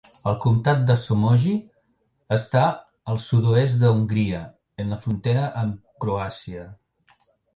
El comtat de Somogy està al sud-oest d'Hongria, en la frontera amb Croàcia.